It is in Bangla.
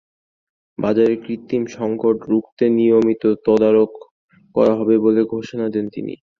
বাজারে কৃত্রিম সংকট রুখতে নিয়মিত তদারক করা হবে বলে ঘোষণা দেন তিনি।